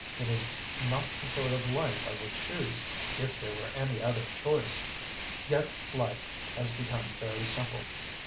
It is not the sort of life I would choose if there were any other choice. Yet life has become very simple.